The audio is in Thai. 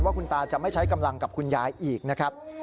ว่าคุณตาจะไม่ใช้กำลังกับคุณยายอีกนะครับ